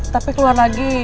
tapi keluar lagi